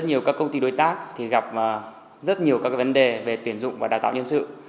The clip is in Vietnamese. rất nhiều các công ty đối tác thì gặp rất nhiều các vấn đề về tuyển dụng và đào tạo nhân sự